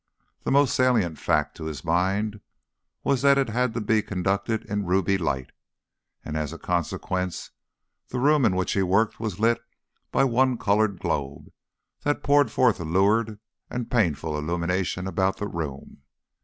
The most salient fact to his mind was that it had to be conducted in ruby light, and as a consequence the room in which he worked was lit by one coloured globe that poured a lurid and painful illumination about the room.